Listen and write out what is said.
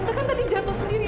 itu kan tadi jatuh sendiri